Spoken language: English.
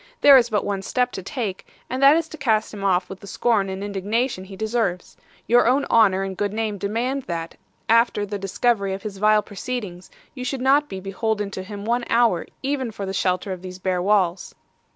There is but one step to take, and that is to cast him off with the scorn and indignation he deserves. Your own honour and good name demand that, after the discovery of his vile proceedings, you should not be beholden to him one hour, even for the shelter of these bare walls.